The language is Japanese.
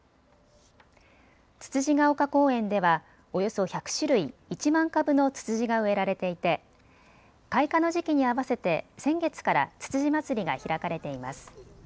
つつじが岡公園ではおよそ１００種類１万株のツツジが植えられていて、開花の時期に合わせて先月からつつじまつりが開かれています。